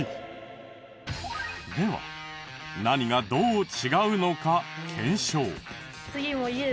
何がどう違うのか検証。